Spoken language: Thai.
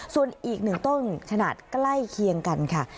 ส่วนอีกหนึ่งต้นขนาดใกล้เคียงกันค่ะ